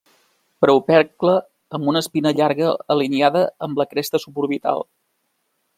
Preopercle amb una espina llarga alineada amb la cresta suborbital.